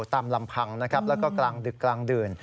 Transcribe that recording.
ตามลำพังนะครับแล้วก็กลางดึกกลางดื่น